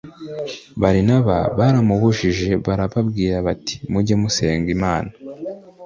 barinaba barababujije barababwira bati mujye musenga imana